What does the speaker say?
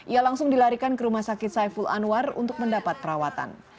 ia langsung dilarikan ke rumah sakit saiful anwar untuk mendapat perawatan